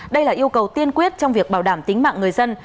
đây là yêu cầu tiên quyết trong việc bảo đảm tính mạng người dân